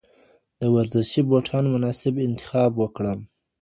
د ورزشي بوټانو مناسب انتخاب وکړه